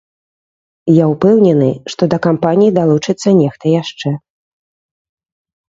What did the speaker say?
Я ўпэўнены, што да кампаніі далучыцца нехта яшчэ.